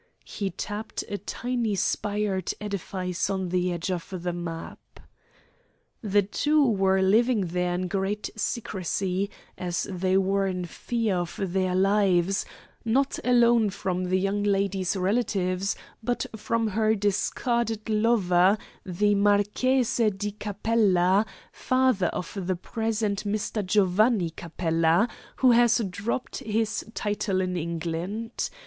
(He tapped a tiny spired edifice on the edge of the map.) "The two were living there in great secrecy, as they were in fear of their lives, not alone from the young lady's relatives, but from her discarded lover, the Marchese di Capella, father of the present Mr. Giovanni Capella, who has dropped his title in England.